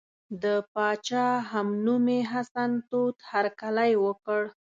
د پاچا همنومي حسن تود هرکلی وکړ.